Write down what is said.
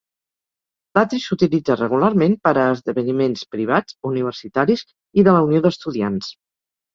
L'atri s'utilitza regularment per a esdeveniments privats, universitaris i de la unió d'estudiants.